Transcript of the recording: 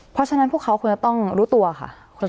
เพราะฉะนั้นพวกเขาควรจะต้องรู้ตัวค่ะ